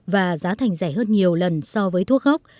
và giá thành rẻ hơn nhiều lần so với thuốc gốc